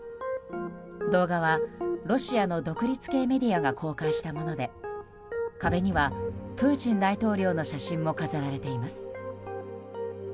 動画はロシアの独立系メディアが公開したもので壁にはプーチン大統領の写真も飾られています。